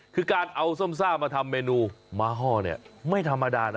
คือการเอาส้มซ่ามาทำเมนูม้าห้อเนี่ยไม่ธรรมดานะ